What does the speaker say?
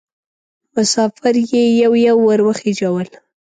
مسافر یې یو یو ور وخېژول.